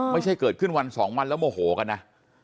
ไม่ใช่เกิดขึ้นวันสองวันแล้วโมโหกันนะ